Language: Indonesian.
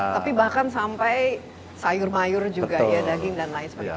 tapi bahkan sampai sayur mayur juga ya daging dan lain sebagainya